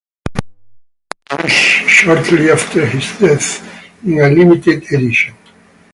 This was published shortly after his death, in a limited edition.